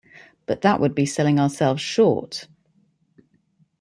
But that would be selling ourselves short.